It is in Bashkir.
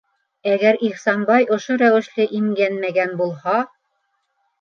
Әгәр Ихсанбай ошо рәүешле имгәнмәгән булһа...